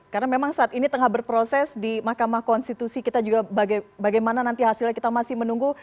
karena memang saat ini tengah berproses di mahkamah konstitusi kita juga bagaimana nanti hasilnya kita masih menunggu